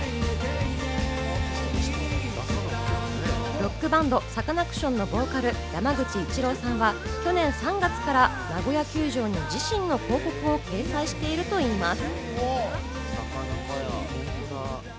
ロックバンド、サカナクションのボーカル・山口一郎さんは、去年３月からナゴヤ球場に自身の広告を掲載しているといいます。